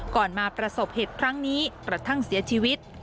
มาประสบเหตุครั้งนี้กระทั่งเสียชีวิต